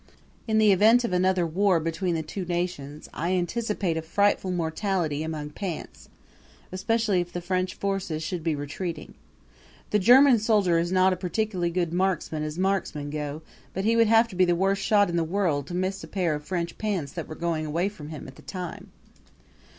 In the event of another war between the two nations I anticipate a frightful mortality among pants especially if the French forces should be retreating. The German soldier is not a particularly good marksman as marksmen go, but he would have to be the worst shot in the world to miss a pair of French pants that were going away from him at the time.